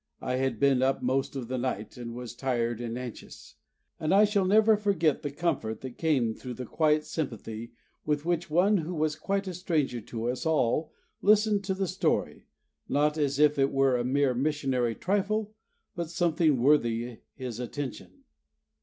I had been up most of the night, and was tired and anxious; and I shall never forget the comfort that came through the quiet sympathy with which one who was quite a stranger to us all listened to the story, not as if it were a mere missionary trifle, but something worthy his attention.